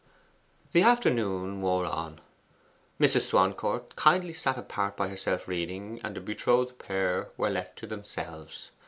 The afternoon wore on. Mrs. Swancourt kindly sat apart by herself reading, and the betrothed pair were left to themselves.